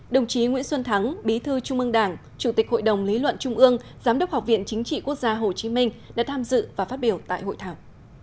đồng chí nguyễn xuân thắng bí thư trung ương đảng chủ tịch hội đồng lý luận trung ương giám đốc học viện chính trị quốc gia hồ chí minh đã tham dự và phát biểu tại hội thảo